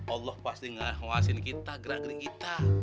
allah pasti nguasin kita gerak gerik kita